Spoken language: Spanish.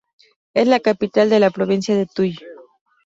Es la capital de la provincia de Tuy.